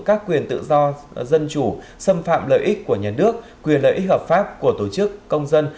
các quyền tự do dân chủ xâm phạm lợi ích của nhà nước quyền lợi ích hợp pháp của tổ chức công dân